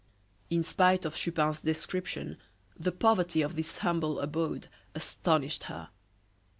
In spite of Chupin's description the poverty of this humble abode astonished her.